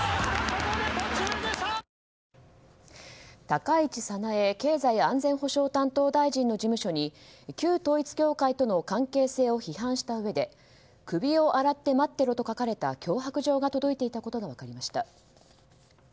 高市早苗経済安全保障担当大臣の事務所に旧統一教会との関係性を批判したうえで首を洗って待ってろと書かれた脅迫状が届いていたことが分かりました。